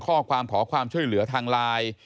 ข้อความขอความช่วยเหลือทางไลน์